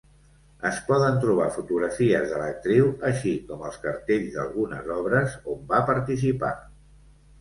Es poden trobar fotografies de l'actriu així com els cartells d'algunes obres, on va participar.